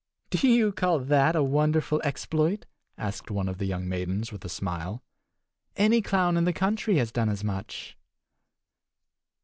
"Do you call that a wonderful exploit?" asked one of the young maidens, with a smile. "Any clown in the country has done as much."